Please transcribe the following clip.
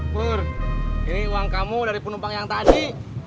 flur ini uang kamu dari penumpang yang tadi